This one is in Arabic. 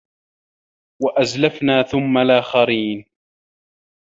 وَأَزلَفنا ثَمَّ الآخَرينَ